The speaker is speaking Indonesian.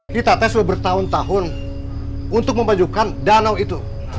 kita tes sudah bertahun tahun untuk memajukan danau itu